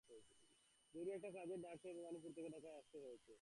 জরুরি একটা কাজের ডাক পেয়ে ভবানীপুর থেকে ঢাকায় ফিরে আসতে হয়েছে আমাকে।